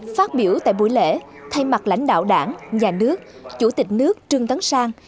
phát biểu tại buổi lễ thay mặt lãnh đạo đảng nhà nước chủ tịch nước trương tấn sang